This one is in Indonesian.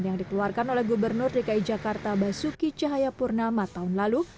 yang dikeluarkan oleh gubernur dki jakarta basuki cahayapurnama tahun lalu